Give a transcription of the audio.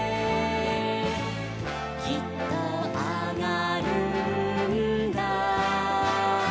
「きっとあがるんだ」